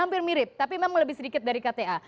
hampir mirip tapi memang lebih sedikit dari kta